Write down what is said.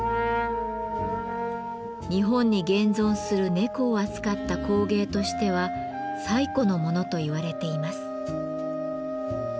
日本に現存する猫を扱った工芸としては最古のものと言われています。